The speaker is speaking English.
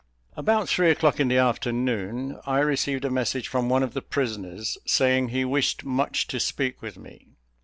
About three o'clock in the afternoon, I received a message from one of the prisoners, saying, he wished much to speak with me.